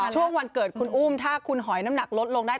ช่วงวันเกิดคุณอุ้มถ้าคุณหอยน้ำหนักลดลงได้